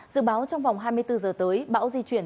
dự báo trong vòng hai mươi bốn giờ tới bão di chuyển chủ yếu